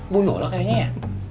bunuh loh kayaknya ya